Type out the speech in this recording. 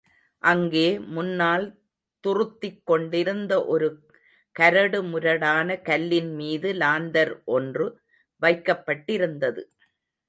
அங்கே முன்னால் துறுத்திக்கொண்டிருந்த ஒரு கரடுமுரடான கல்லின் மீது லாந்தர் ஒன்று வைக்கப்பட்டிருந்தது.